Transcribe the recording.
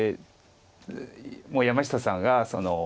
もう山下さんが。